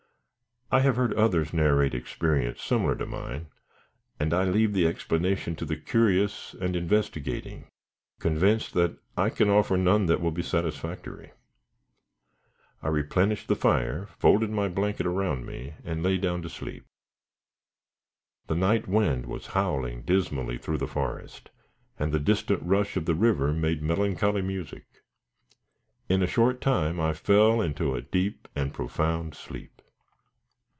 I have heard others narrate experience similar to mine and I leave the explanation to the curious and investigating, convinced that I can offer none that will be satisfactory. I replenished the fire, folded my blanket around me, and lay down to sleep. The night wind was howling dismally through the forest, and the distant rush of the river made melancholy music. In a short time I fell into a deep, and profound sleep.